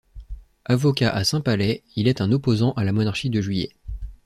Avocat à Saint-Palais, il est un opposant à la Monarchie de Juillet.